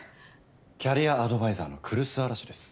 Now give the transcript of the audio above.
キャリアアドバイザーの来栖嵐です。